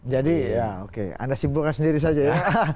jadi ya oke anda sibukkan sendiri saja ya